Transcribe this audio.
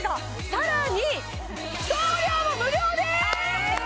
さらに送料も無料です！